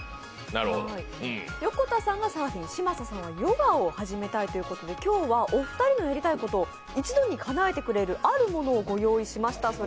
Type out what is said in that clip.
横田さんがサーフィン、嶋佐さんはヨガを始めたいとうことで今日は、お二人のやりたいことを一度にかなえてくれるあるものをご用意しました。